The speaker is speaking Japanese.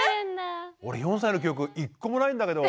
俺４歳の記憶１個もないんだけど。